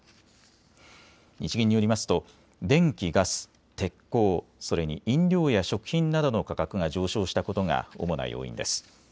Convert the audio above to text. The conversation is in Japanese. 日銀によりますと電気・ガス、鉄鋼、それに飲料や食品などの価格が上昇したことが主な要因です。